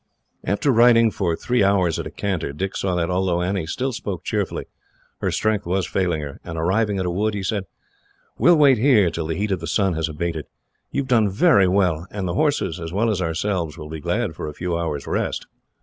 After riding for three hours at a canter, Dick saw that, although Annie still spoke cheerfully, her strength was failing her, and on arriving at a wood, he said: "We will wait here till the heat of the sun has abated. We have done very well, and the horses, as well as ourselves, will be glad of a few hours' rest."